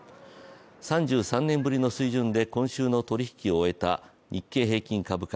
３３年ぶりの水準で今週の取り引きを終えた日経平均株価。